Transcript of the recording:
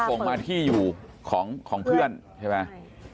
ส่งมาที่อยู่ของเพื่อนใช่ไหม